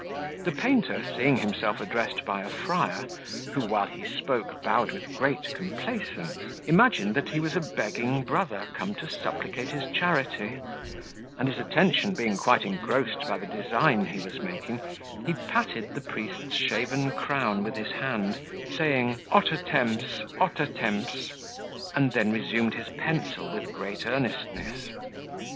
The painter, seeing himself addressed by a friar, who, while he spoke, bowed with great complaisance, imagined that he was a begging brother come to supplicate his charity; and his attention being quite engrossed by the design he was making, he patted the priest's shaven crown with his hand, saying, Oter tems, oter tems, and then resumed his pencil with great earnestness.